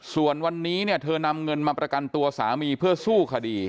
ส่วนวันนี้เนี่ยเธอนำเงินมาประกันตัวสามีเพื่อสู้คดี